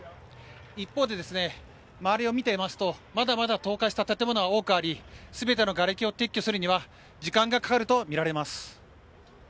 一方で周りを見てみますとまだまだ倒壊した建物は多くあり全てのがれきを撤去するには時間がかかるとみられます。